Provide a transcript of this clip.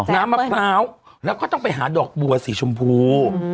น้ำมะพร้าวแล้วก็ต้องไปหาดอกบัวสีชมพู